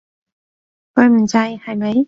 佢唔制，係咪？